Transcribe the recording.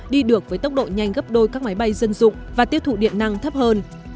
đi được với tốc độ nhanh gấp đôi các máy bay dân dụng và tiêu thụ điện năng thấp hơn